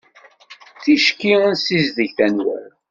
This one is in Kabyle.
Ticki ad ssizdgeɣ tanwalt.